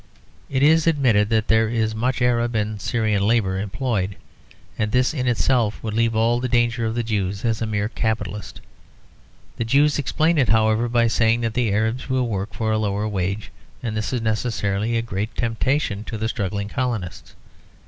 It is admitted that there is much Arab and Syrian labour employed; and this in itself would leave all the danger of the Jew as a mere capitalist. The Jews explain it, however, by saying that the Arabs will work for a lower wage, and that this is necessarily a great temptation to the struggling colonists.